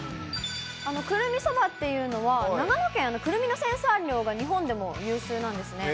くるみそばっていうのは、長野県はくるみの生産量が日本でも有数なんですね。